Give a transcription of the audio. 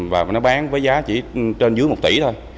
và nó bán với giá chỉ trên dưới một tỷ thôi